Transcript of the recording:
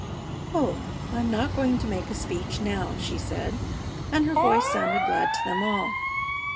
"Oh, I'm not going to make a speech now," she said, and her voice sounded glad to them all.